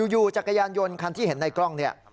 จักรยานยนต์คันที่เห็นในกล้องเนี่ย